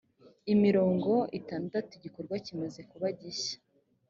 imirongo itandatu igikorwa kimaze kuba gishya